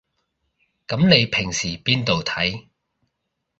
噉你平時邊度睇